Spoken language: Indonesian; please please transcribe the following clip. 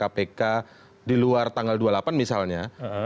memberikan ruang kepada kpk di luar tanggal dua puluh delapan misalnya